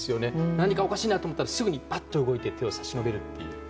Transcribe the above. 何かおかしいなと思えばすぐにぱっと動いて手を差し伸べるという。